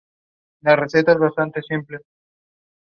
Deja como herencia: un árbol, una casa y un libro inconcluso.